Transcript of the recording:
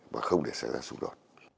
và không để xảy ra xung đột